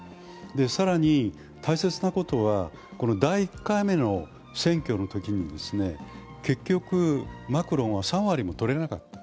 更に、大切なことは第１回目の選挙のときに結局、マクロンは３割も取れなかった。